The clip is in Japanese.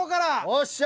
おっしゃ！